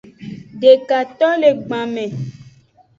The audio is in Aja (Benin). Deka to le gban me.